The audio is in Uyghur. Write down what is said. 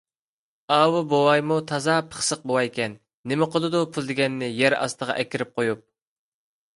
ئاۋۇ بوۋايمۇ تازا پىخسىق بوۋايكەن. نېمە قىلىدۇ پۇل دېگەننى يەر ئاستىغا ئەكىرىپ قويۇپ؟